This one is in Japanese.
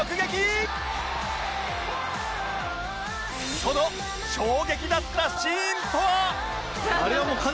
その衝撃だったシーンとは？